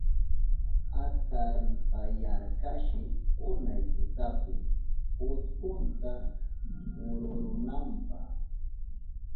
Ataripayarkashi unay tutapi utkunta kururunanpa.